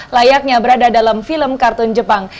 layaknya berada dalam film kartun jepang